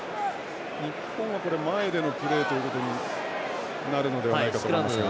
日本は前でのプレーということになるのではないかと思いますが。